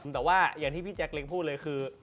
แต่ว่าอย่างที่พี่แจ๊กเล็งพูดเลยคือ